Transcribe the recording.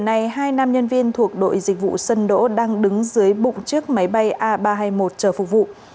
hai nam nhân viên thuộc đội dịch vụ sân đỗ đang đứng dưới bụng trước máy bay a ba trăm hai mươi một chờ phục vụ